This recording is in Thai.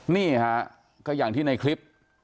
นี่ฮะก็อย่างที่ในคลิป